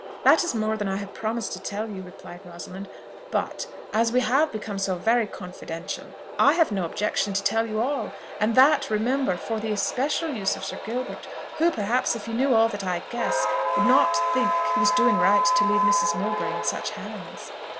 "That is more than I have promised to tell you," replied Rosalind; "but, as we have become so very confidential, I have no objection to tell you all and that, remember, for the especial use of Sir Gilbert, who perhaps, if he knew all that I guess, would not think he was doing right to leave Mrs. Mowbray in such hands."